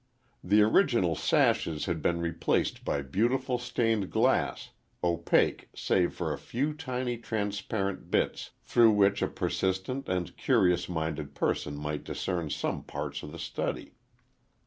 The original sashes had been replaced by beautiful stained glass, opaque save for a few tiny transparent bits through which a persistent and curious minded person might discern some parts of the study.